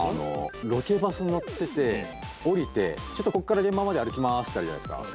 ロケバスに乗ってて降りて「ちょっとここから現場まで歩きます」ってあるじゃないですか。